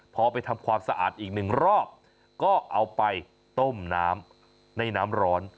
พอไปทำความสะอาดอีกหนึ่งรอบก็เอาไปต้มน้ำในน้ำร้อน